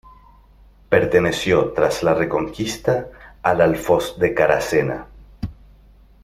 Perteneció, tras la Reconquista, al Alfoz de Caracena.